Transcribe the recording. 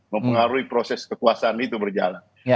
mempengaruhi proses kekuasaan itu berjalan